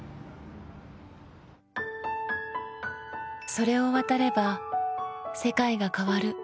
それを渡れば世界が変わる。